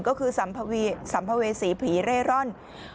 ก็คือสัมภเวษีผีเร่ร่อน